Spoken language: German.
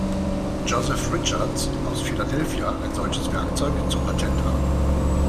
Joseph Richards aus Philadelphia ein solches Werkzeug zum Patent an.